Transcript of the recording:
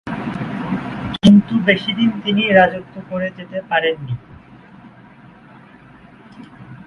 কিন্তু বেশিদিন তিনি রাজত্ব করে যেতে পারেননি।